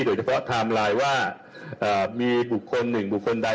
ไทม์ไลน์ว่ามีบุคคลหนึ่งบุคคลใด